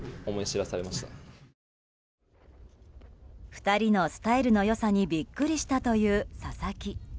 ２人のスタイルの良さにビックリしたという、佐々木。